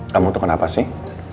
kamu tuh kenapa sih